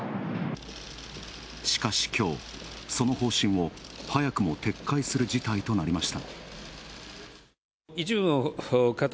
しかし、きょう、その方針を早くも撤回する事態となりました。